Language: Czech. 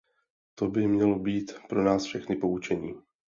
To by mělo být pro nás všechny poučení.